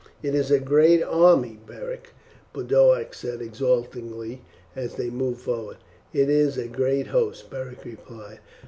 "It is a great army, Beric," Boduoc said exultingly as they moved forward. "It is a great host," Beric replied.